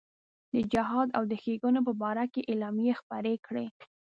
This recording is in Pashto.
د جهاد او ښېګڼو په باره کې اعلامیې خپرې کړې.